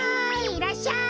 いらっしゃい！